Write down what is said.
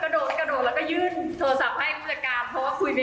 ดูแบบเดี๋ยวใครนะคะอย่างงี้เลย